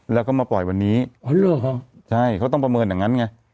แล้วก็มาปล่อยวันนี้อ๋อเหรอใช่เขาต้องประเมินอย่างนั้นไง